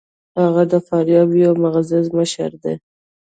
هغه د فاریاب یو معزز مشر دی.